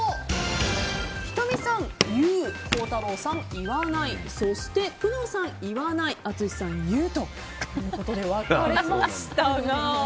仁美さん、言う孝太郎さん、言わないそして工藤さん、言わない淳さん、言うということで分かれましたが。